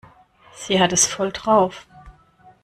Sie hat es voll drauf.